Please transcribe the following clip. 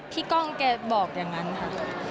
กล้องแกบอกอย่างนั้นค่ะ